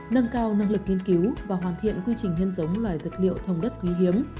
nâng cao năng lực nghiên cứu và hoàn thiện quy trình nhân giống loài dược liệu thông đất quý hiếm